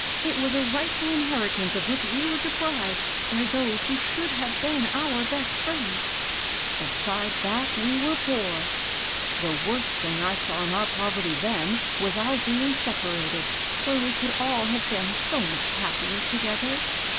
It was a rightful inherit ance of which we were deprived by those who should have been our best friends. Beside that we were poor. The worst thing I saw in our poverty then was our being separated, when we could all have been so much happier together.